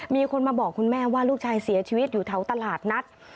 มีคนมาบอกคุณแม่ว่าลูกชายเสียชีวิตอยู่แถวตลาดนัด